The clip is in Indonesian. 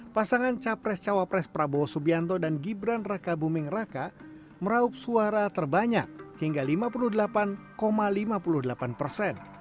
pasangan capres cawapres prabowo subianto dan gibran raka buming raka meraup suara terbanyak hingga lima puluh delapan lima puluh delapan persen